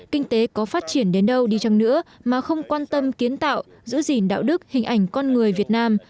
kinh tế có phát triển đến đâu đi chăng nữa mà không quan tâm kiến tạo giữ gìn đạo đức hình ảnh con người việt nam